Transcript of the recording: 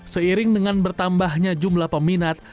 seiring dengan bertambahnya jumlah peminat